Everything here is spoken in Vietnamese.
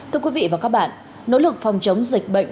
thưa quý vị và các bạn nỗ lực phòng chống dịch bệnh